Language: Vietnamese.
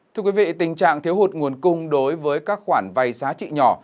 thưa quý vị tình trạng thiếu hụt nguồn cung đối với các khoản vay giá trị nhỏ